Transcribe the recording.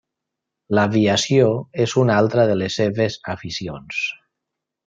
L'aviació és una altra de les seves aficions.